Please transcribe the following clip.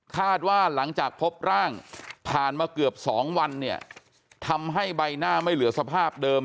คาดว่าหลังจากพบร่างผ่านมาเกือบ๒วันเนี่ยทำให้ใบหน้าไม่เหลือสภาพเดิม